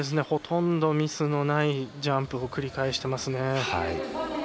ほとんどミスのないジャンプを繰り返してますね。